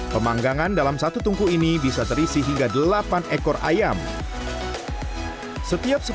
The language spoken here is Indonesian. pemanggangan dalam satu tungku ini bisa terisi hingga delapan ekor ayam setiap